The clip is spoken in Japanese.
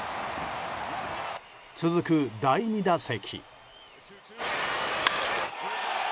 続く第２打席。